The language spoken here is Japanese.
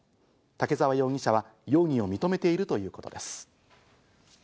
竹沢容疑者は容疑を認めているということです。